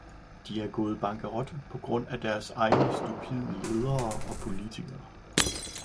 De er gået bankerot på grund af deres egne stupide ledere og politikere.